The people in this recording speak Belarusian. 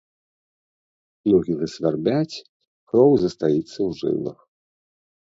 Ногі засвярбяць, кроў застаіцца ў жылах.